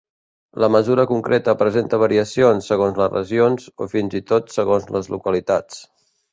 La mesura concreta presenta variacions segons les regions o fins i tot segons les localitats.